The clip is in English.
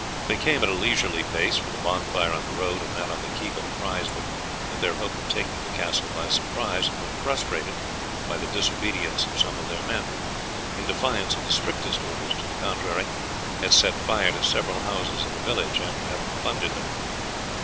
They came at a leisurely pace, for the bonfire on the road and that on the keep had apprised them that their hope of taking the castle by surprise had been frustrated by the disobedience of some of their men, who, in defiance of the strictest orders to the contrary, had set fire to several houses in the village after having plundered them.